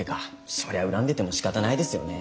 そりゃ恨んでてもしかたないですよね。